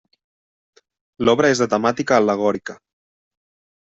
L'obra és de temàtica al·legòrica.